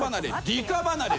理科離れ。